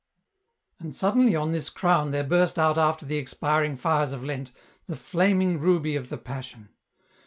And suddenly on this crown there burst out after the expiring fires of Lent, the flaming ruby of the Passion.